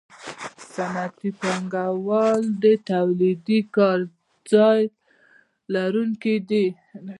صنعتي پانګوال د تولیدي کارځای لرونکي دي